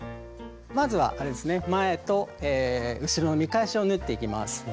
まずは前と後ろの見返しを縫っていきます。